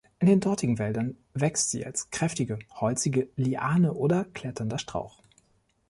In den dortigen Wäldern wächst sie als kräftige, holzige Liane oder kletternder Strauch.